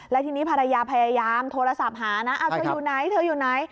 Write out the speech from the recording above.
และทีนี้ภรรยาพยายามโทรศัพท์หานะเธออยู่ไหนเธออยู่ไหน